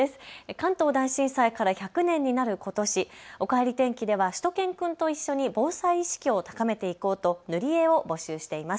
関東大震災から１００年になることし、おかえり天気ではしゅと犬くんと一緒に防災意識を高めていこうと塗り絵を募集しています。